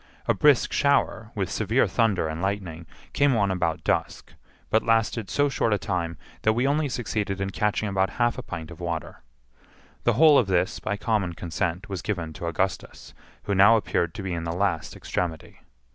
A brisk shower, with severe thunder and lightning, came on about dusk, but lasted so short a time that we only succeeded in catching about half a pint of water. The whole of this, by common consent, was given to Augustus, who now appeared to be in the last extremity.